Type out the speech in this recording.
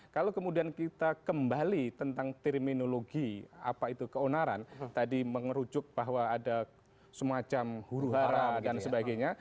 kalau kemudian kita kembali tentang terminologi apa itu keonaran tadi mengerucuk bahwa ada semacam huru hara dan sebagainya